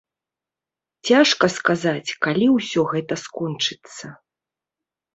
Цяжка сказаць, калі ўсё гэта скончыцца.